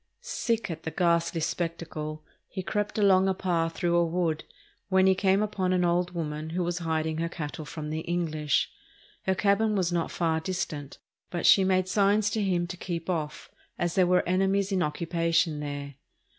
Sick at the ghastly spectacle, he crept along a path through a wood, when he came upon an old woman who was hiding her cattle from the English. Her cabin was not far distant, but she made signs to him to keep off, as there were enemies in occupation there.